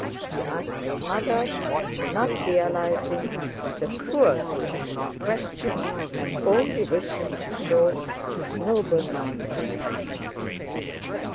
he asked his mother, not realizing the cruelty of his question and only wishing to show his noble mindedness.